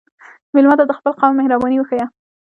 مېلمه ته د خپل قوم مهرباني وښیه.